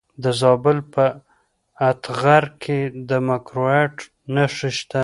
د زابل په اتغر کې د کرومایټ نښې شته.